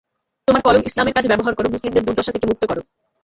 তোমার কলম ইসলামের কাজে ব্যবহার কর, মুসলিমদের দুর্দশা থেকে মুক্ত কর।